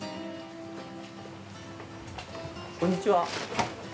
こんにちは。